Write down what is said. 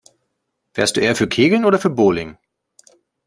Wärst du eher für Kegeln oder für Bowling?